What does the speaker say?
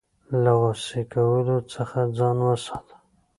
له غوسې کولو څخه ځان وساته .